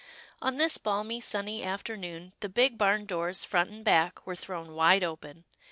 On this balmy, sunny afternoon, the big barn doors, front and back, were thrown wide open.